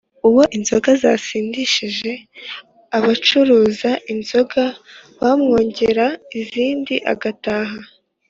uwo inzoga zasindishije abacuruza inzoga bamwongera izindi agataha